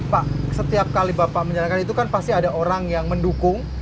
pak setiap kali bapak menyarankan itu kan pasti ada orang yang mendukung